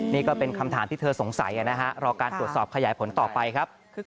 นี่ก็เป็นคำถามที่เธอสงสัยนะฮะรอการตรวจสอบขยายผลต่อไปครับ